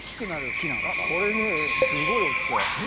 これねすごい大きくなる。